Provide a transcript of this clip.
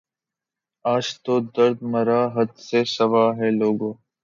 آج تو درد مرا حد سے سوا ہے لوگو